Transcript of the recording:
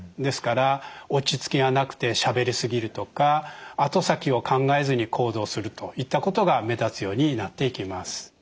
ですから落ち着きがなくてしゃべり過ぎるとか後先を考えずに行動するといったことが目立つようになっていきます。